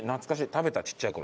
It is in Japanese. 食べたちっちゃい頃。